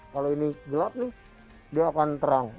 kalau ini gelap nih dia akan terang